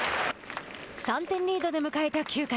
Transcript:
３点リードで迎えた９回。